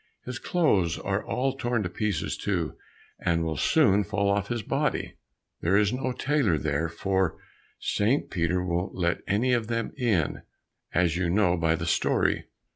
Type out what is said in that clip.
His clothes are all torn to pieces too, and will soon fall off his body. There is no tailor there, for Saint Peter won't let any of them in, as you know by the story."